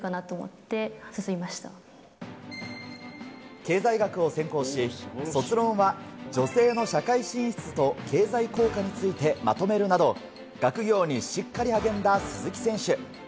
経済学を専攻し、卒論は「女性の社会進出と経済効果について」まとめるなど、学業にしっかり励んだ鈴木選手。